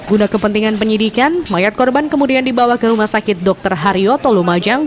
guna kepentingan penyidikan mayat korban kemudian dibawa ke rumah sakit dr haryoto lumajang